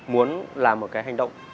muốn làm một cái hành động